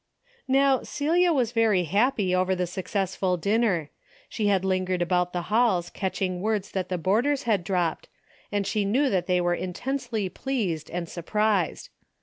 How Celia was very happy over the success ful dinner. She had lingered about the halls catching words that the boarders had dropped, and she knew that they were intensely pleased and surprised.